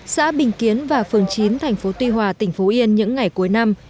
xã bình kiến và phường chín thành phố tuy hòa tỉnh phú yên những ngày cuối năm